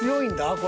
これ。